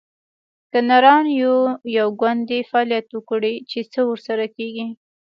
که نران یو، یو ګوند دې فعالیت وکړي؟ چې څه ورسره کیږي